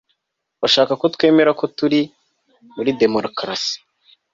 Bashaka ko twemera ko turi muri demokarasi